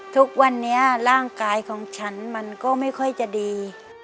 ทุกวันนี้ร่างกายของฉันมันก็ไม่ค่อยจะดี